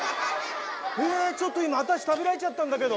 えちょっと今私食べられちゃったんだけど。